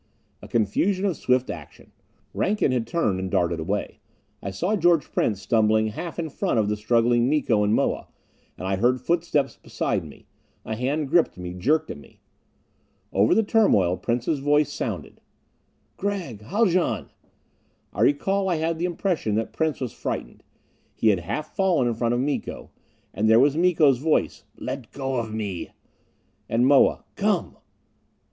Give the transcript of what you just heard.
A confusion of swift action. Rankin had turned and darted away. I saw George Prince stumbling half in front of the struggling Miko and Moa. And I heard footsteps beside me; a hand gripped me, jerked at me. Over the turmoil Prince's voice sounded: "Gregg Haljan!" I recall I had the impression that Prince was frightened; he had half fallen in front of Miko. And there was Miko's voice: "Let go of me!" And Moa: "Come!"